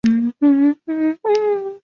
多数生产队现已被拆迁。